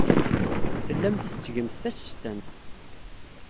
Tellamt tettgemt tasestant.